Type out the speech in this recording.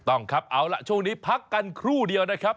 ต้องครับเอาล่ะช่วงนี้พักกันครู่เดียวนะครับ